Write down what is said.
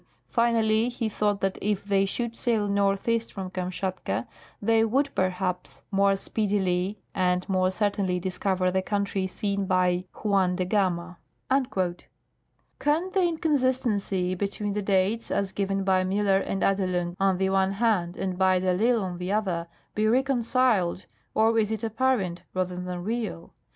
Finally, he thought that if they should sail southeast from Kamschatka they would perhaps more speedily and more certainly discover the country seen by Juan de Gama.' " Can the inconsistency between the dates, as given by Miiller and Adelung on the one hand, and hy de I'Isle on the other, be reconciled, or is it apparent rather than real